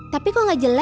tapi kok nggak jelas ya